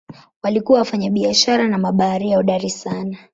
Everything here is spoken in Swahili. Walikuwa wafanyabiashara na mabaharia hodari sana.